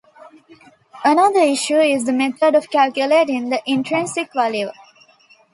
Another issue is the method of calculating the "intrinsic value".